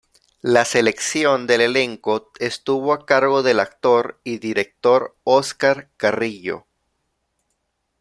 La selección del elenco estuvo a cargo del actor y director Óscar Carrillo.